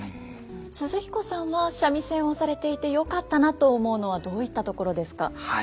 寿々彦さんは三味線をされていてよかったなと思うのはどういったところですか？